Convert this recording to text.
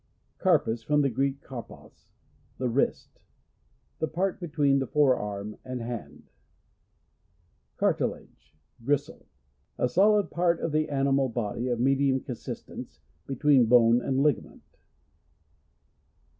Carpus. — From the Greek, karpos, the wrist. The part between the fore arm and hand. Cartilage. — Grisile. A solid part of, the animal body of medium consis tence between bone and ligament.